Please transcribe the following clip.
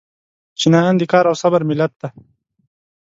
چینایان د کار او صبر ملت دی.